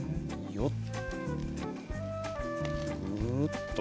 よっ。